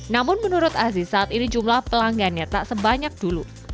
namun menurut aziz saat ini jumlah pelanggannya tak sebanyak dulu